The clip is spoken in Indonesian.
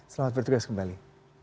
selamat bertugas kembali